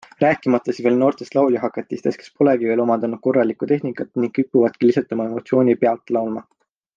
Rääkimata siis veel noortest lauljahakatistest, kes polegi veel omandanud korralikku tehnikat ning kipuvadki lihtsalt oma emotisooni pealt laulma.